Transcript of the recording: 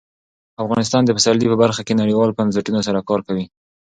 افغانستان د پسرلی په برخه کې نړیوالو بنسټونو سره کار کوي.